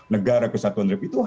negara kesatuan republik indonesia